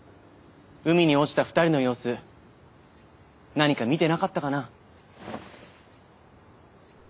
海に落ちた２人の様子何か見てなかったかな？